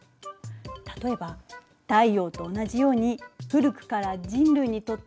例えば太陽と同じように古くから人類にとって身近な。